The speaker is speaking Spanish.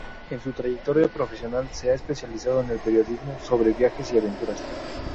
En su trayectoria profesional se ha especializado en el periodismo sobre viajes y aventuras.